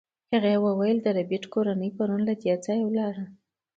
هغې وویل چې د ربیټ کورنۍ پرون له دې ځایه لاړه